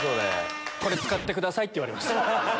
使ってくださいって言われました。